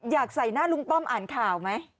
อยากใส่หน้าลุงป้อมอ่านข่าวไหม